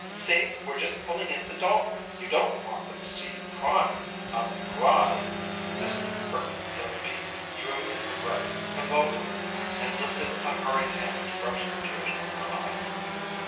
"See, we're just pulling into Dalton. You don't want them to see you crying a bride!" Mrs. Burke Denby drew in her breath convulsively, and lifted a hurried hand to brush the tears from her eyes.